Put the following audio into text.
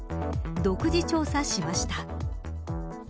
独自調査しました。